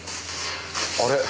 あれ？